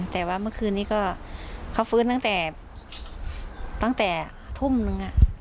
แต่ว่าเมื่อคืนนี้ก็เขาฟื้นตั้งแต่ตั้งแต่ทุ่มนึง